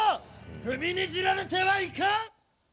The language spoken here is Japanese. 踏みにじられては、いかん！